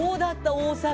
大阪。